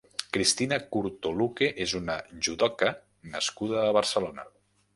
Cristina Curto Luque és una judoca nascuda a Barcelona.